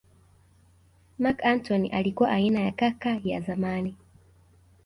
Marc Antony alikuwa aina ya kaka ya zamani